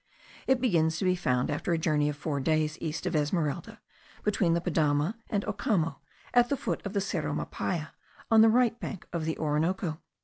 It begins to be found after a journey of four days east of Esmeralda, between the Padamo and Ocamo, at the foot of the Cerro Mapaya, on the right bank of the Orinoco.